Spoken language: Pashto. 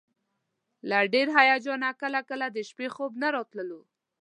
له ډېر هیجانه کله کله د شپې خوب نه راتللو.